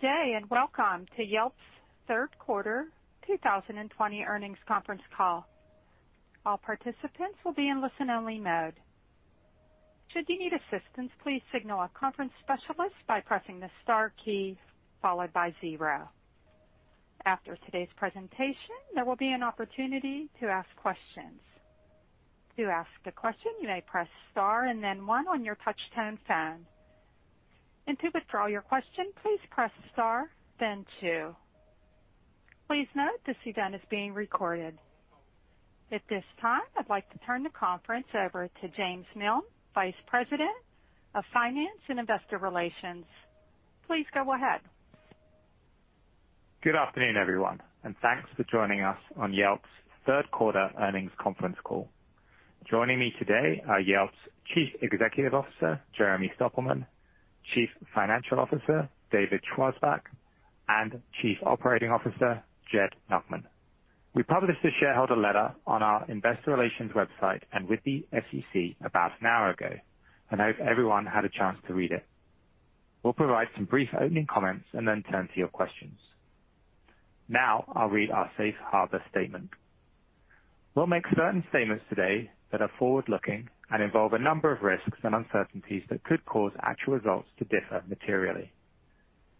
Good day, welcome to Yelp's third quarter 2020 earnings conference call. All participants will be in listen-only mode. Should you need assistance, please signal a conference specialist by pressing the star key followed by zero. After today's presentation, there will be an opportunity to ask questions. To ask a question, you may press star and then one on your touch-tone phone. To withdraw your question, please press star, then two. Please note this event is being recorded. At this time, I'd like to turn the conference over to James Miln, Vice President of Finance and Investor Relations. Please go ahead. Good afternoon, everyone, and thanks for joining us on Yelp's third quarter earnings conference call. Joining me today are Yelp's Chief Executive Officer, Jeremy Stoppelman, Chief Financial Officer, David Schwarzbach, and Chief Operating Officer, Jed Nachman. We published a shareholder letter on our investor relations website and with the SEC about an hour ago and hope everyone had a chance to read it. We'll provide some brief opening comments and then turn to your questions. Now, I'll read our safe harbor statement. We'll make certain statements today that are forward-looking and involve a number of risks and uncertainties that could cause actual results to differ materially.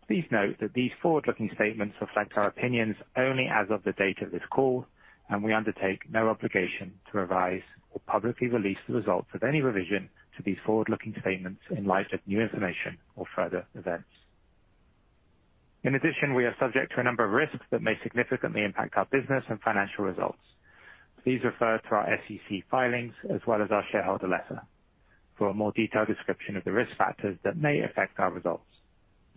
Please note that these forward-looking statements reflect our opinions only as of the date of this call, and we undertake no obligation to revise or publicly release the results of any revision to these forward-looking statements in light of new information or further events. In addition, we are subject to a number of risks that may significantly impact our business and financial results. Please refer to our SEC filings as well as our shareholder letter for a more detailed description of the risk factors that may affect our results.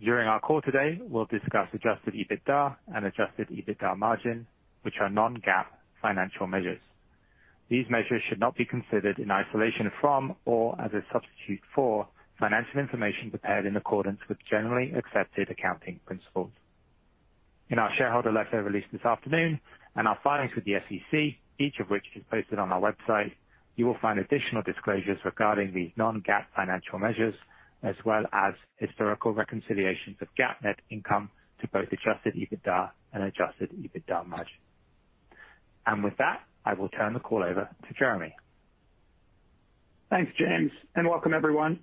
During our call today, we'll discuss adjusted EBITDA and adjusted EBITDA margin, which are non-GAAP financial measures. These measures should not be considered in isolation from or as a substitute for financial information prepared in accordance with generally accepted accounting principles. In our shareholder letter released this afternoon and our filings with the SEC, each of which is posted on our website, you will find additional disclosures regarding these non-GAAP financial measures, as well as historical reconciliations of GAAP net income to both adjusted EBITDA and adjusted EBITDA margin. With that, I will turn the call over to Jeremy. Thanks, James, and welcome everyone.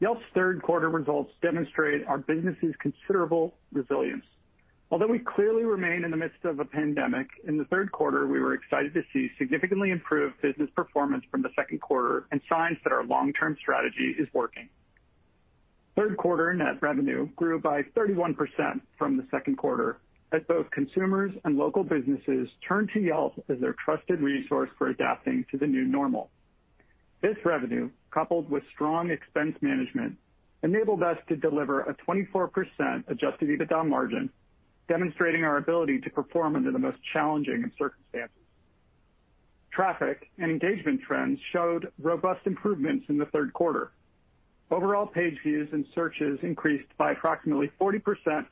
Yelp's third quarter results demonstrate our business's considerable resilience. Although we clearly remain in the midst of a pandemic, in the third quarter, we were excited to see significantly improved business performance from the second quarter and signs that our long-term strategy is working. Third quarter net revenue grew by 31% from the second quarter as both consumers and local businesses turned to Yelp as their trusted resource for adapting to the new normal. This revenue, coupled with strong expense management, enabled us to deliver a 24% adjusted EBITDA margin, demonstrating our ability to perform under the most challenging of circumstances. Traffic and engagement trends showed robust improvements in the third quarter. Overall page views and searches increased by approximately 40%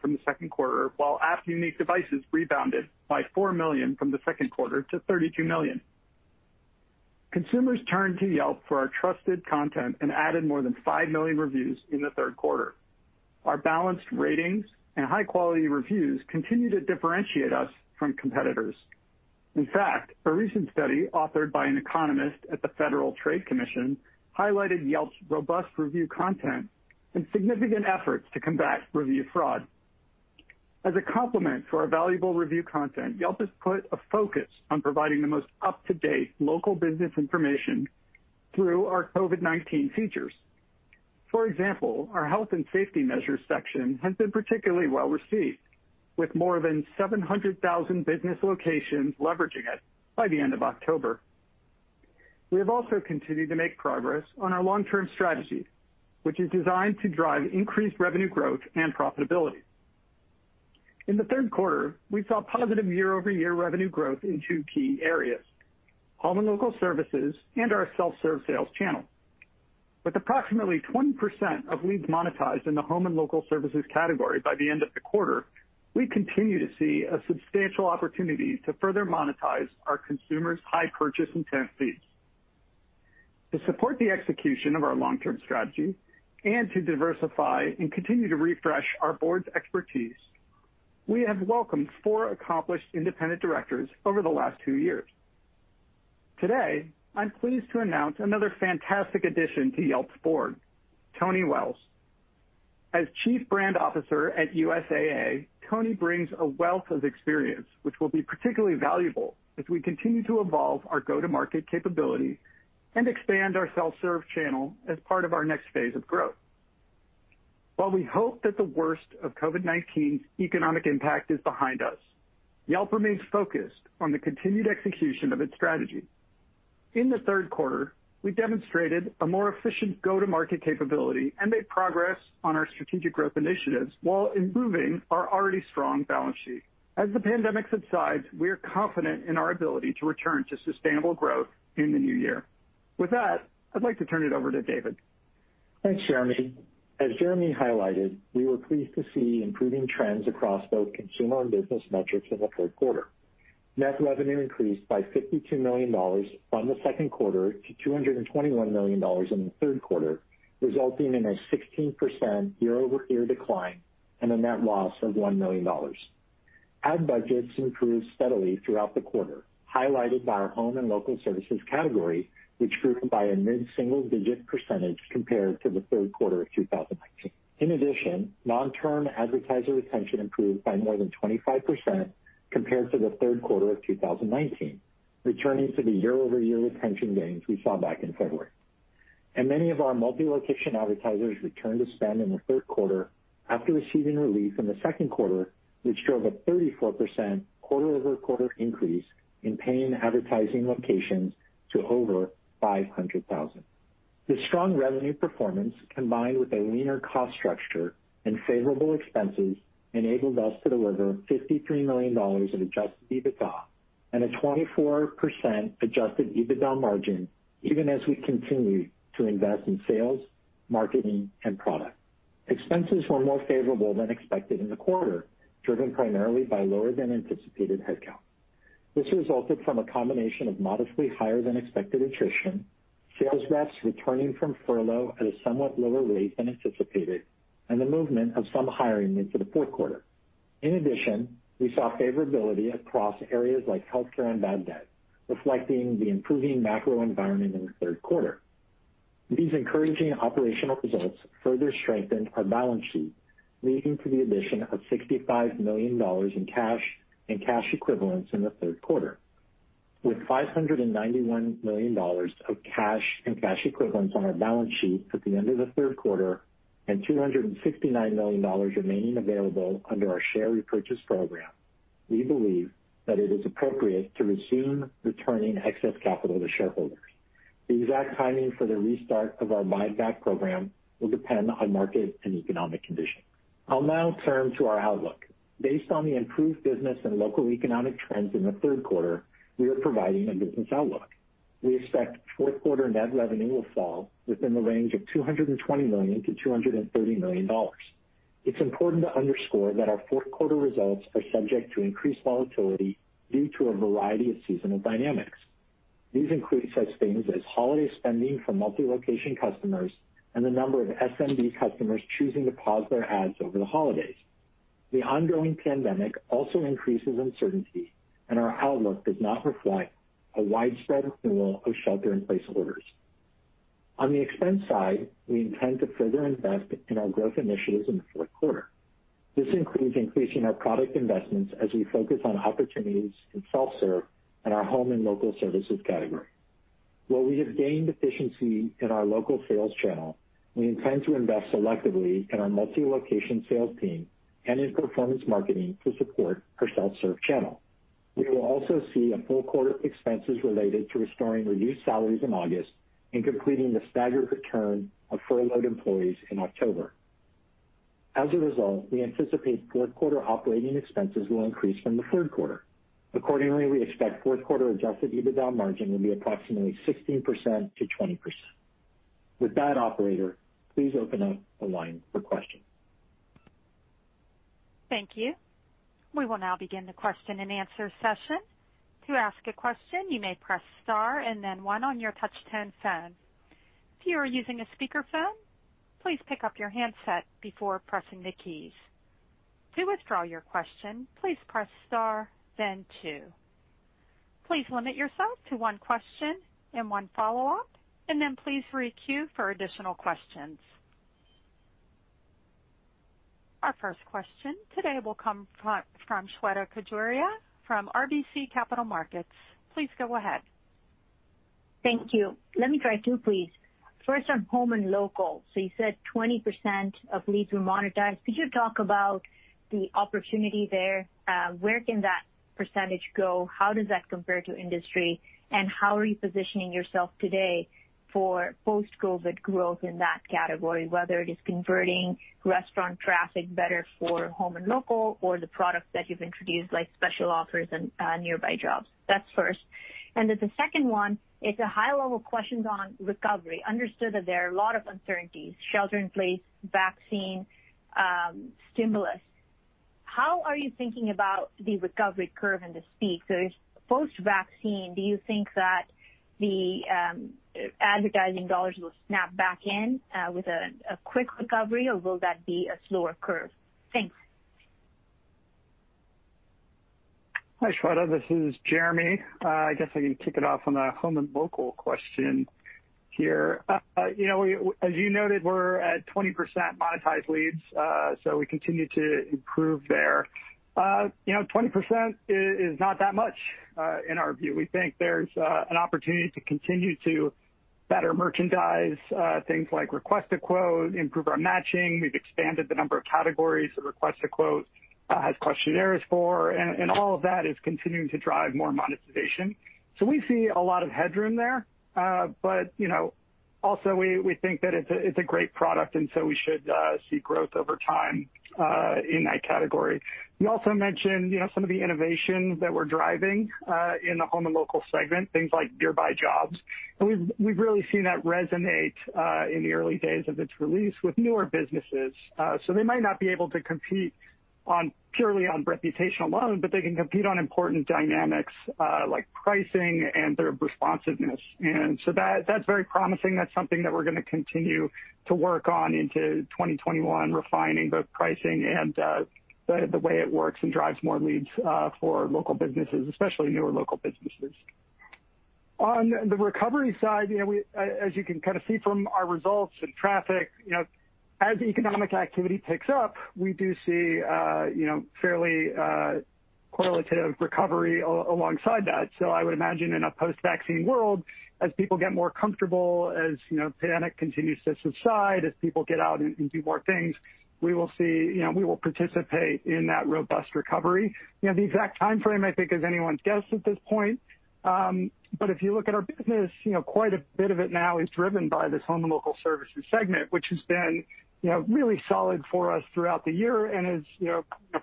from the second quarter, while app unique devices rebounded by four million from the second quarter to 32 million. Consumers turned to Yelp for our trusted content and added more than 5 million reviews in the third quarter. Our balanced ratings and high-quality reviews continue to differentiate us from competitors. In fact, a recent study authored by an economist at the Federal Trade Commission highlighted Yelp's robust review content and significant efforts to combat review fraud. As a complement for our valuable review content, Yelp has put a focus on providing the most up-to-date local business information through our COVID-19 features. For example, our health and safety measures section has been particularly well received, with more than 700,000 business locations leveraging it by the end of October. We have also continued to make progress on our long-term strategy, which is designed to drive increased revenue growth and profitability. In the third quarter, we saw positive year-over-year revenue growth in two key areas, home and local services and our self-serve sales channel. With approximately 20% of leads monetized in the home and local services category by the end of the quarter, we continue to see a substantial opportunity to further monetize our consumers' high purchase intent fees. To support the execution of our long-term strategy and to diversify and continue to refresh our board's expertise, we have welcomed four accomplished independent directors over the last two years. Today, I'm pleased to announce another fantastic addition to Yelp's board, Tony Wells. As Chief Brand Officer at USAA, Tony brings a wealth of experience, which will be particularly valuable as we continue to evolve our go-to-market capability and expand our self-serve channel as part of our next phase of growth. While we hope that the worst of COVID-19's economic impact is behind us, Yelp remains focused on the continued execution of its strategy. In the third quarter, we demonstrated a more efficient go-to-market capability and made progress on our strategic growth initiatives while improving our already strong balance sheet. As the pandemic subsides, we are confident in our ability to return to sustainable growth in the new year. With that, I'd like to turn it over to David. Thanks, Jeremy. As Jeremy highlighted, we were pleased to see improving trends across both consumer and business metrics in the third quarter. Net revenue increased by $52 million from the second quarter to $221 million in the third quarter, resulting in a 16% year-over-year decline and a net loss of $1 million. Ad budgets improved steadily throughout the quarter, highlighted by our home and local services category, which grew by a mid-single-digit percentage compared to the third quarter of 2019. In addition, long-term advertiser retention improved by more than 25% compared to the third quarter of 2019, returning to the year-over-year retention gains we saw back in February. Many of our multi-location advertisers returned to spend in the third quarter after receiving relief in the second quarter, which drove a 34% quarter-over-quarter increase in paying advertising locations to over 500,000. The strong revenue performance, combined with a leaner cost structure and favorable expenses, enabled us to deliver $53 million in adjusted EBITDA and a 24% adjusted EBITDA margin, even as we continue to invest in sales, marketing, and product. Expenses were more favorable than expected in the quarter, driven primarily by lower-than-anticipated headcount. This resulted from a combination of modestly higher-than-expected attrition, sales reps returning from furlough at a somewhat lower rate than anticipated, and the movement of some hiring into the fourth quarter. In addition, we saw favorability across areas like healthcare and bad debt, reflecting the improving macro environment in the third quarter. These encouraging operational results further strengthened our balance sheet, leading to the addition of $65 million in cash and cash equivalents in the third quarter. With $591 million of cash and cash equivalents on our balance sheet at the end of the third quarter and $269 million remaining available under our share repurchase program, we believe that it is appropriate to resume returning excess capital to shareholders. The exact timing for the restart of our buyback program will depend on market and economic conditions. I'll now turn to our outlook. Based on the improved business and local economic trends in the third quarter, we are providing a business outlook. We expect fourth quarter net revenue will fall within the range of $220 million-$230 million. It's important to underscore that our fourth quarter results are subject to increased volatility due to a variety of seasonal dynamics. These include such things as holiday spending from multi-location customers and the number of SMB customers choosing to pause their ads over the holidays. The ongoing pandemic also increases uncertainty, and our outlook does not reflect a widespread renewal of shelter-in-place orders. On the expense side, we intend to further invest in our growth initiatives in the fourth quarter. This includes increasing our product investments as we focus on opportunities in self-serve and our home and local services category. While we have gained efficiency in our local sales channel, we intend to invest selectively in our multi-location sales team and in performance marketing to support our self-serve channel. We will also see a full quarter of expenses related to restoring reduced salaries in August and completing the staggered return of furloughed employees in October. As a result, we anticipate fourth quarter operating expenses will increase from the third quarter. Accordingly, we expect fourth quarter adjusted EBITDA margin will be approximately 16%-20%. With that, operator, please open up the line for questions. Thank you. We will now begin the question-and-answer session. To ask a question, you may press star and then one on your touch-tone phone. If you are using a speakerphone, please pick up your handset before pressing the keys. To withdraw your question, please press star then two. Please limit yourself to one question and one follow-up, and then please re-queue for additional questions. Our first question today will come from Shweta Khajuria from RBC Capital Markets. Please go ahead. Thank you. Let me try two, please. First, on home and local. You said 20% of leads were monetized. Could you talk about the opportunity there? Where can that percentage go? How does that compare to industry, and how are you positioning yourself today for post-COVID growth in that category, whether it is converting restaurant traffic better for home and local or the products that you've introduced, like Special Offers and Nearby Jobs? That's first. Then the second one is a high-level question on recovery. Understood that there are a lot of uncertainties, shelter-in-place, vaccine, stimulus. How are you thinking about the recovery curve and the speed? Post-vaccine, do you think that the advertising dollars will snap back in with a quick recovery, or will that be a slower curve? Thanks. Hi, Shweta. This is Jeremy. I guess I can kick it off on the home and local question here. As you noted, we're at 20% monetized leads, we continue to improve there. 20% is not that much, in our view. We think there's an opportunity to continue to better merchandise things like Request a Quote, improve our matching. We've expanded the number of categories the Request a Quote has questionnaires for, all of that is continuing to drive more monetization. We see a lot of headroom there. We think that it's a great product. We should see growth over time in that category. We also mentioned some of the innovation that we're driving in the home and local segment, things like Nearby Jobs. We've really seen that resonate in the early days of its release with newer businesses. They might not be able to compete purely on reputation alone. They can compete on important dynamics like pricing and their responsiveness. That's very promising. That's something that we're going to continue to work on into 2021, refining both pricing and the way it works and drives more leads for local businesses, especially newer local businesses. On the recovery side, as you can kind of see from our results and traffic, as economic activity picks up, we do see fairly correlative recovery alongside that. I would imagine in a post-vaccine world, as people get more comfortable, as the pandemic continues to subside, as people get out and do more things, we will participate in that robust recovery. The exact timeframe, I think, is anyone's guess at this point. If you look at our business, quite a bit of it now is driven by this home and local services segment, which has been really solid for us throughout the year and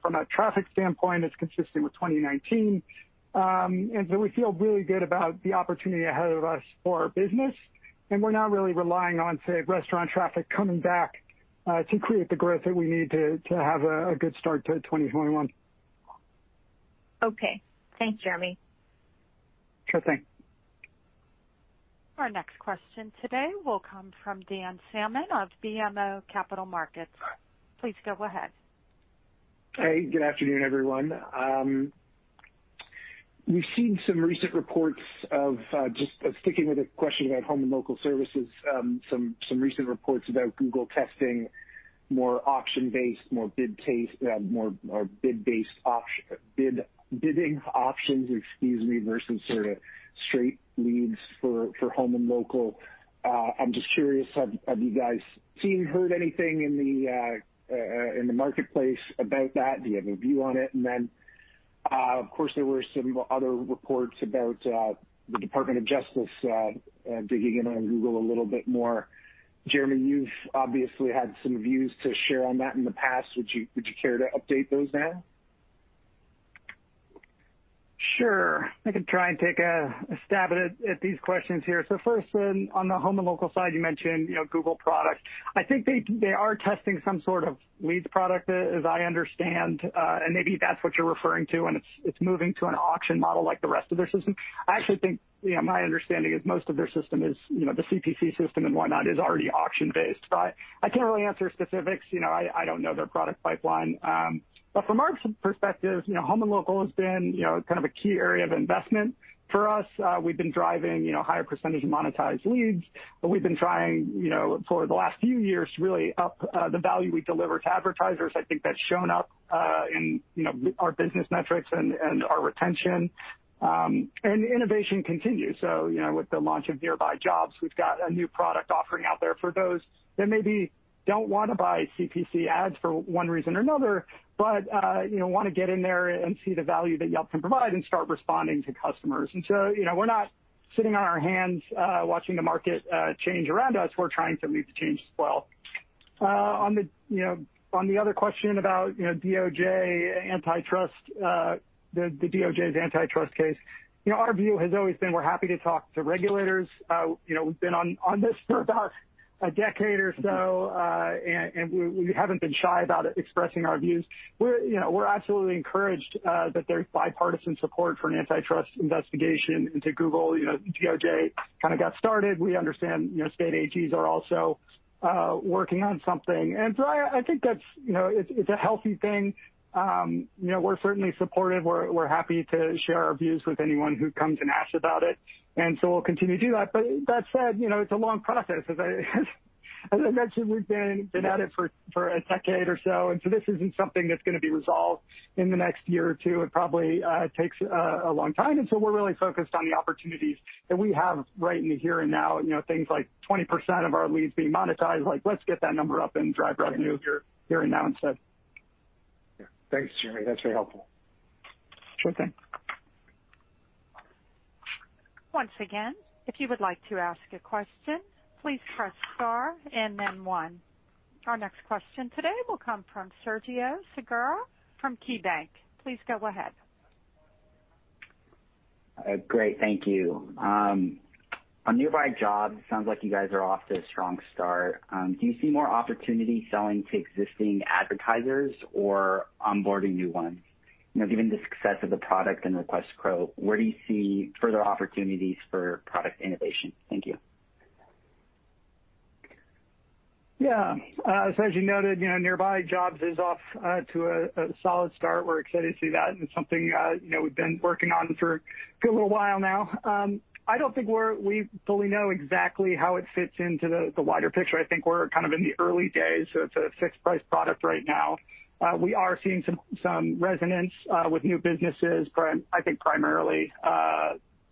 from a traffic standpoint, is consistent with 2019. We feel really good about the opportunity ahead of us for our business, and we're not really relying on, say, restaurant traffic coming back to create the growth that we need to have a good start to 2021. Okay. Thanks, Jeremy. Sure thing. Our next question today will come from Dan Salmon of BMO Capital Markets. Please go ahead. Hey, good afternoon, everyone. We've seen some recent reports of, just sticking with a question about home and local services, some recent reports about Google testing, more auction-based, more bid-based bidding options, excuse me, versus sort of straight leads for home and local. I'm just curious, have you guys seen or heard anything in the marketplace about that? Do you have a view on it? Then, of course, there were some other reports about the Department of Justice digging in on Google a little bit more. Jeremy, you've obviously had some views to share on that in the past. Would you care to update those now? Sure. I can try and take a stab at these questions here. First, on the home and local side, you mentioned Google products. I think they are testing some sort of leads product, as I understand, and maybe that's what you're referring to, and it's moving to an auction model like the rest of their system. I actually think my understanding is most of their system is, the CPC system and whatnot, is already auction-based. I can't really answer specifics. I don't know their product pipeline. From our perspective, home and local has been kind of a key area of investment for us. We've been driving a higher percentage of monetized leads, but we've been trying, for the last few years, really up the value we deliver to advertisers. I think that's shown up in our business metrics and our retention. Innovation continues. With the launch of Nearby Jobs, we've got a new product offering out there for those that maybe don't want to buy CPC ads for one reason or another, but want to get in there and see the value that Yelp can provide and start responding to customers. We're not sitting on our hands watching the market change around us. We're trying to lead the change as well. On the other question about the DOJ's antitrust case. Our view has always been, we're happy to talk to regulators. We've been on this for about a decade or so, and we haven't been shy about expressing our views. We're absolutely encouraged that there's bipartisan support for an antitrust investigation into Google. The DOJ kind of got started. We understand state AGs are also working on something. I think it's a healthy thing. We're certainly supportive. We're happy to share our views with anyone who comes and asks about it. We'll continue to do that. That said, it's a long process. As I mentioned, we've been at it for a decade or so. This isn't something that's going to be resolved in the next year or two. It probably takes a long time. We're really focused on the opportunities that we have right in the here and now. Things like 20% of our leads being monetized, like let's get that number up and drive revenue here and now instead. Yeah. Thanks, Jeremy. That's very helpful. Sure thing. Once again if you'd like to ask a question please press star then one. Our next question today will come from Sergio Segura from KeyBank. Please go ahead. Great. Thank you. On Nearby Jobs, sounds like you guys are off to a strong start. Do you see more opportunity selling to existing advertisers or onboarding new ones? Given the success of the product and Request a Quote, where do you see further opportunities for product innovation? Thank you. Yeah. As you noted, Nearby Jobs is off to a solid start. We're excited to see that, and it's something we've been working on for a good little while now. I don't think we fully know exactly how it fits into the wider picture. I think we're kind of in the early days. It's a fixed-price product right now. We are seeing some resonance with new businesses, I think primarily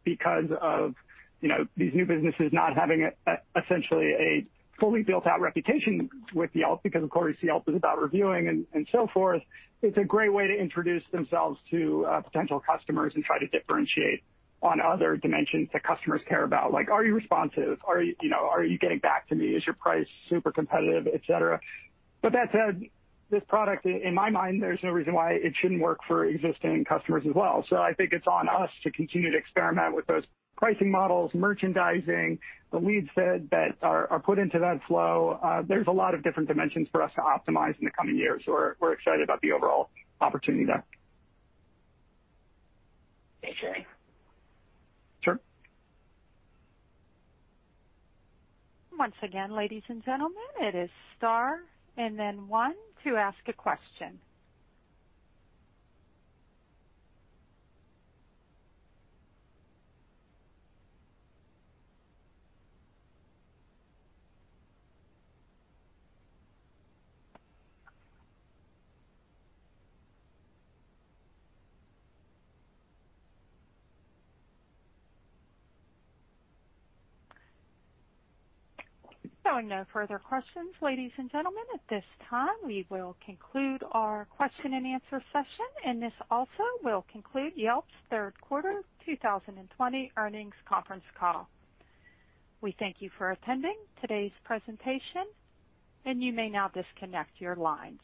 because of these new businesses not having, essentially, a fully built-out reputation with Yelp because, of course, Yelp is about reviewing and so forth. It's a great way to introduce themselves to potential customers and try to differentiate on other dimensions that customers care about like, are you responsive? Are you getting back to me? Is your price super competitive, et cetera? That said, this product, in my mind, there's no reason why it shouldn't work for existing customers as well. I think it's on us to continue to experiment with those pricing models, merchandising, the lead feeds that are put into that flow. There's a lot of different dimensions for us to optimize in the coming years. We're excited about the overall opportunity there. Thanks, Jeremy. Sure. Once again, ladies and gentlemen, it is star and then one to ask a question. Seeing no further questions, ladies and gentlemen, at this time, we will conclude our question and answer session, and this also will conclude Yelp's third quarter 2020 earnings conference call. We thank you for attending today's presentation, and you may now disconnect your line.